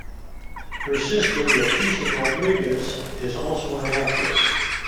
Her sister Leticia Rodriguez is also an actress.